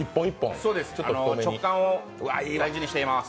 そうです、食感を大事にしています。